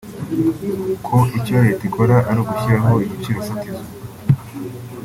ko icyo Leta ikora ari ugushyiraho igiciro fatizo